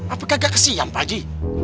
apakah gak kesian bu aji